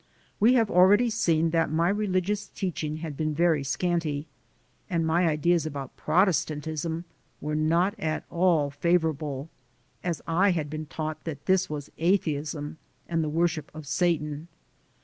We have already seen that my religious teaching had been very scanty, and my ideas about Protestantism were not at all favor able, as I had been taught that this was atheism and the worship of Satan.